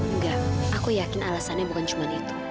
enggak aku yakin alasannya bukan cuma itu